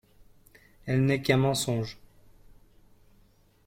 Elle n’est qu’un mensonge.